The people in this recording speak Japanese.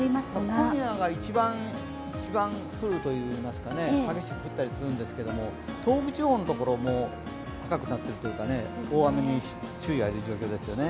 今夜が一番降るといいますか、激しく降ったりするんですけど、東北地方のところも赤くなっているというか、大雨に注意がいる状況ですよね。